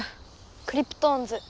クリプトオンズ。